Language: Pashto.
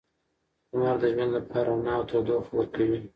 لمر د ژوند لپاره رڼا او تودوخه ورکوي.